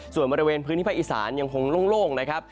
ส่วนบริเวณพื้นที่ภาคอีสานยังคงโล่งนะครับ